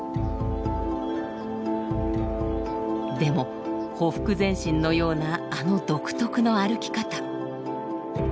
でもほふく前進のようなあの独特の歩き方。